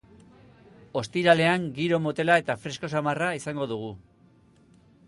Ostiralean giro motela eta fresko samarra izango dugu.